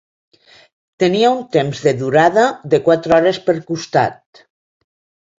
Tenia un temps de durada de quatre hores per costat.